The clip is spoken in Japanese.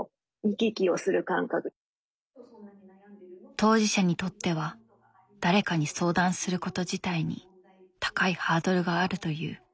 当事者にとっては誰かに相談すること自体に高いハードルがあるという。